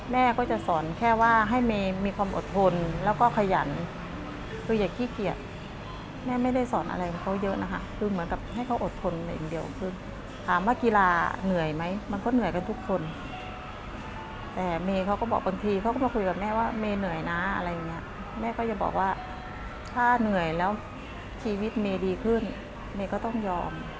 แม่ก็อย่าบอกว่าถ้าเหนื่อยแล้วชีวิตเมดีขึ้นเมก็ต้องยอม